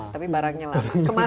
tapi barangnya lama